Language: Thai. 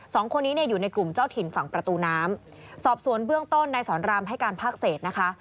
สองคนนี้เนี่ยอยู่ในกลุ่มเจ้าถิ่นฝั่งประตูน้ำสอบสวนเบื้องต้นนายสอนรามให้การภาคเศษนะคะ